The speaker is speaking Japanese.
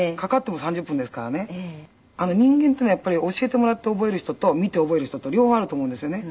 人間っていうのはやっぱり教えてもらって覚える人と見て覚える人と両方あると思うんですよね。